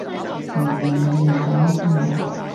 無論你面對咩都好